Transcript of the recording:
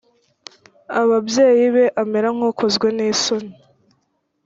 ababyeyi be amera nk ukozwe n isoni